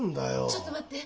ちょっと待って。